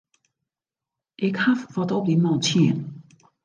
Ik haw wat op dy man tsjin.